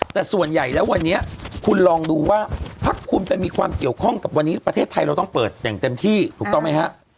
แต่ส่วนใหญ่แล้ววันนี้คุณลองดูว่าถ้าคุณไปมีความเกี่ยวข้องกับวันนี้ประเทศไทยเราต้องเปิดอย่างเต็มที่ถูกต้องไหมฮะ